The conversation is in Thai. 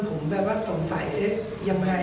พร้อมมุกใจแต่ทีนี้ก็ทำแล้ว